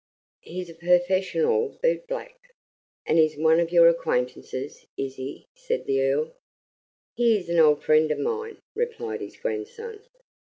He's a perfessional bootblack." "And he's one of your acquaintances, is he?" said the Earl. "He is an old friend of mine," replied his grandson.